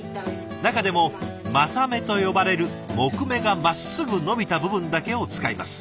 中でも柾目と呼ばれる木目がまっすぐ伸びた部分だけを使います。